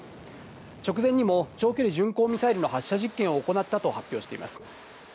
直前にも長距離巡航ミサイルの発射実験を行ったと発表しています。